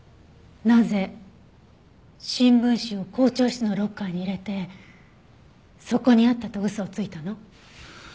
なぜ新聞紙を校長室のロッカーに入れてそこにあったと嘘をついたの？